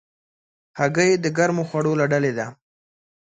هګۍ د ګرمو خوړو له ډلې ده.